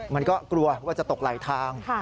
มันก็กลัวว่าจะตกไหลทาง